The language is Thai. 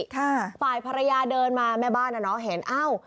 ฝ่ายภรรยาเดินมาแม่บ้านอ่ะเนาะเห็นเอ้า